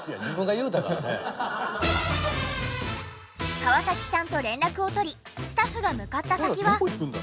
河崎さんと連絡を取りスタッフが向かった先は。